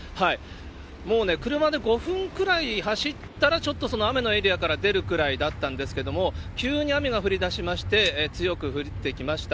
もうね、車で５分くらい走ったら、ちょっと雨のエリアから出るくらいだったんですけれども、急に雨が降りだしまして、強く降ってきました。